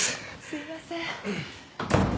すいません。